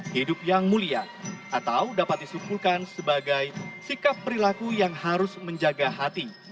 hidup yang mulia atau dapat disumpulkan sebagai sikap perilaku yang harus menjaga hati